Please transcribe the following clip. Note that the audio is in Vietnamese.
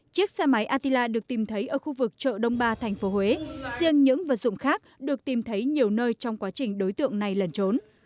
chiếc xe máy atila được tìm thấy ở khu vực chợ đông ba tp huế riêng những vật dụng khác được tìm thấy nhiều nơi trong quá trình đối tượng này lẩn trốn